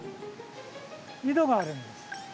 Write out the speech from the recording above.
井戸があるんです。